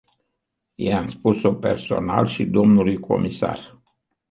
I-am spus-o personal și dlui comisar.